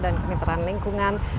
dan kemitraan lingkungan